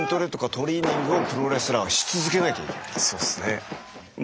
そうですね。